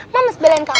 mams belain kamu